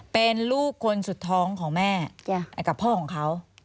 เป็นลูกคนสุดท้องของแม่กับพ่อของเขา